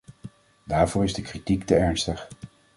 Daarvoor is de kritiek te ernstig.